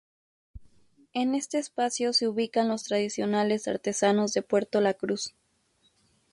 En este espacio se ubican los tradicionales artesanos de Puerto La Cruz.